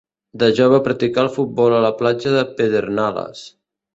De jove practicà el futbol a la platja de Pedernales.